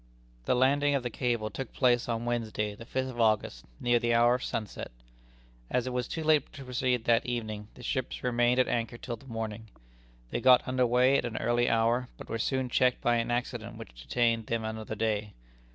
The landing of the cable took place on Wednesday, the fifth of August, near the hour of sunset. As it was too late to proceed that evening, the ships remained at anchor till the morning. They got under weigh at an early hour, but were soon checked by an accident which detained them another day.